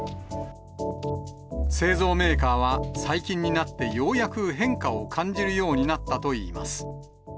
製造メーカーは、最近になってようやく変化を感じるようになったといいます。